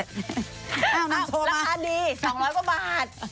นั่งโชว์มาครับฮ่าดี๒๐๐กว่าบาท